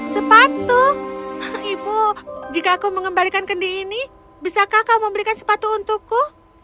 sepatu ibu jika aku mengembalikan kendi ini bisakah kau membelikan sepatu untukku